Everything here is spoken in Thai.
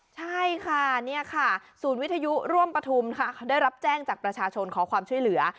ใช่ค่ะนี่ค่ะศูนย์วิทยุร่วมปฐุมค่ะได้รับแจ้งจากประชาชนขอความช่วยเหลือ